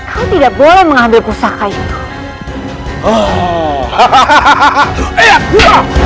kau tidak boleh mengambil pusaka ini